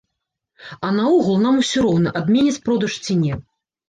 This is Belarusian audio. А наогул нам усё роўна, адменяць продаж ці не.